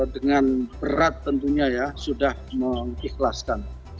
dengan berat tentunya ya sudah mengikhlaskan